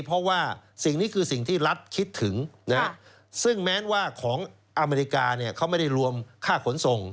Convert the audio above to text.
เพราะว่าสิ่งนี้คือสิ่งที่รัฐคิดถึงซึ่งแม้ว่าของอเมริกาเขาไม่ได้รวมค่าขนส่ง